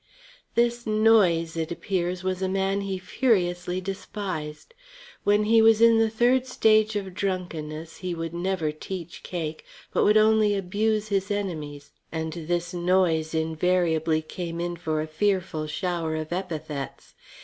This Noyes, it appeared, was a man he furiously despised. When he was in the third stage of drunkenness he would never teach Cake, but would only abuse his enemies, and this Noyes invariably came in for a fearful shower of epithets.